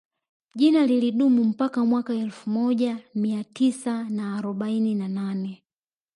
Jina lilidumu mpaka mwaka elfu moja Mia Tisa na arobaini na nane